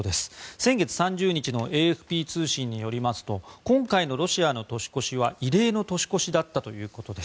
先月３０日のＡＦＰ通信によりますと今回のロシアの年越しは異例の年越しだったということです。